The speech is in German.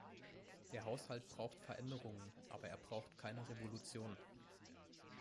Der Haushalt braucht Veränderungen, aber er braucht keine Revolution.